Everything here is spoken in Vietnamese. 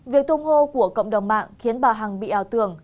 việc tung hô của cộng đồng mạng khiến bà hằng bị ảo tưởng